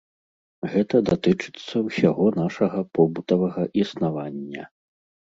Гэта датычыцца ўсяго нашага побытавага існавання.